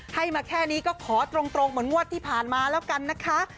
ให้มาแค่นี้ก็ขอตรงเหมือนงวดที่ผ่านมาแล้วกันนะคะ